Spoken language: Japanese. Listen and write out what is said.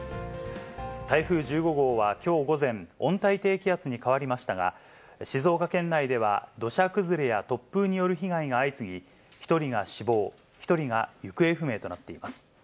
台風１５号はきょう午前、温帯低気圧に変わりましたが、静岡県内では土砂崩れや突風による被害が相次ぎ、１人が死亡、１人が行方不明となっています。